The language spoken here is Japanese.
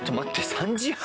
３時半！？